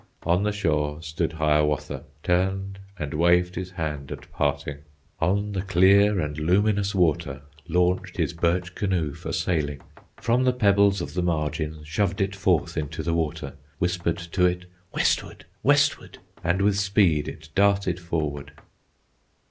On the shore stood Hiawatha, Turned and waved his hand at parting; On the clear and luminous water Launched his birch canoe for sailing, From the pebbles of the margin Shoved it forth into the water; Whispered to it, "Westward! westward!" And with speed it darted forward.